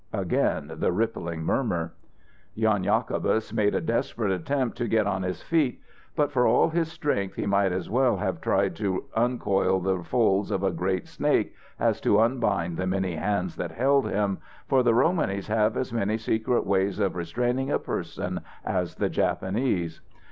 Again the rippling murmur. Jan Jacobus made a desperate attempt to get on his feet, but, for all his strength, he might as well have tried to uncoil the folds of a great snake as to unbind the many hands that held him, for the Romanys have as many secret ways of restraining a person as the Japanese.